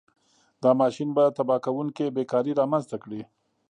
دا ماشین به تباه کوونکې بېکاري رامنځته کړي.